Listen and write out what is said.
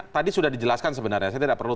tadi sudah dijelaskan sebenarnya saya tidak perlu